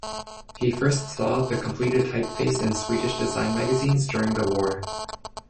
He first saw the completed typeface in Swedish design magazines during the war.